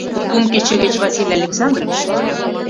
Кум кече гыч Василий Александрович тольо.